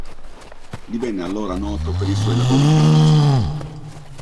Divenne allora noto per i suoi lavori critici.